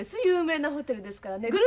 有名なホテルですからね。